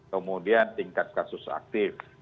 kemudian tingkat kasus aktif